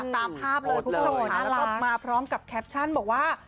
ตามภาพเหลือได้ทุกโชคไปมาพร้อมกับแคปชั่นบอกว่า